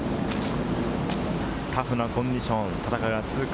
タフなコンディションの戦いが続く